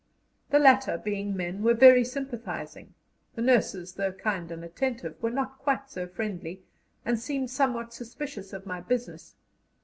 The latter, being men, were very sympathizing; the nurses, though kind and attentive, were not quite so friendly, and seemed somewhat suspicious of my business.